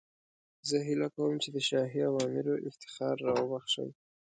زه هیله کوم چې د شاهي اوامرو افتخار را وبخښئ.